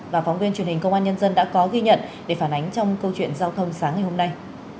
và phóng viên truyền hình công an nhân dân đã có ghi nhận để phản ánh trong câu chuyện giao thông sáng ngày hôm nay